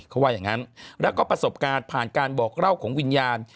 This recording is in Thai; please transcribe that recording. เขาว่าอย่างนั้นแล้วก็ประสบการณ์ผ่านการบอกเล่าของวิญญาณ